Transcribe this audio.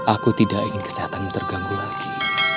aku tidak ingin kesehatanmu terganggu lagi